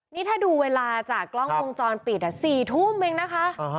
นี่ถ้าดูเวลาจากกล้องวงจรปิด๔ทุ่มเองนะคะ